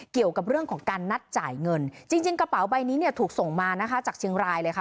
เกี่ยวกับเรื่องของการนัดจ่ายเงินจริงจริงกระเป๋าใบนี้เนี่ยถูกส่งมานะคะจากเชียงรายเลยค่ะ